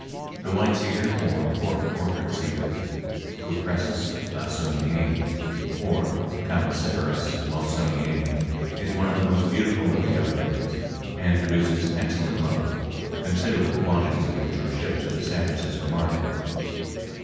The white cedar, or Port Orford cedar (Cupressus Lawsoniana, or Chamæcyparis Lawsoniana), is one of the most beautiful of the evergreens, and produces excellent lumber, considerable quantities of which are shipped to the San Francisco market.